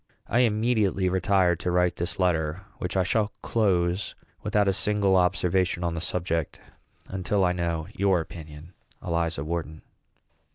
I immediately retired to write this letter, which I shall close without a single observation on the subject until I know your opinion. ELIZA WHARTON.